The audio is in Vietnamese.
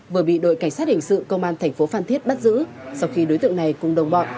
vừa bị đội cảnh sát hình sự công an thành phố phan thiết bắt giữ sau khi đối tượng này cùng đồng bọn